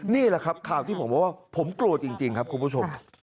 นี่แหละครับข่าวที่ผมบอกว่าผมกลัวจริงครับคุณผู้ชม